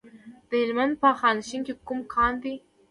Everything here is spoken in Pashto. د هلمند په خانشین کې کوم کان دی؟